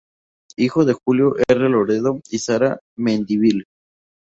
Hijo de Julio R. Loredo y Sara Mendívil.